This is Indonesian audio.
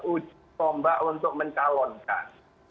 ujian tombak untuk mencalonkan